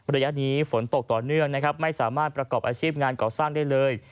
ระยะนี้ฝนตกต่อเนื่องนะครับไม่สามารถประกอบอาชีพงานก่อสร้างได้เลย